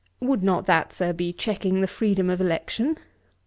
'Would not that, Sir, be checking the freedom of election?'